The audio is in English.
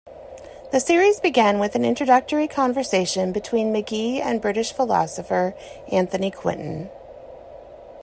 The series began with an introductory conversation between Magee and British philosopher Anthony Quinton.